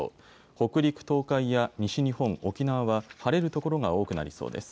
北陸、東海や西日本、沖縄は晴れる所が多くなりそうです。